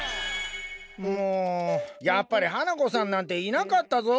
もうやっぱり花子さんなんていなかったぞ。